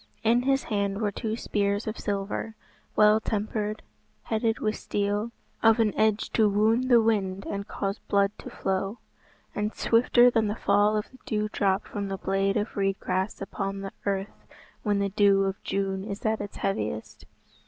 In his hand were two spears of silver, well tempered, headed with steel, of an edge to wound the wind and cause blood to flow, and swifter than the fall of the dew drop from the blade of reed grass upon the earth when the dew of June is at its heaviest.